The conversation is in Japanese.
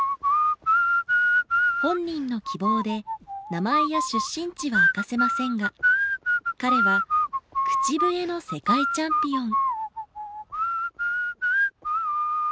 本人の希望で名前や出身地は明かせませんが彼は口笛の世界チャンピオン。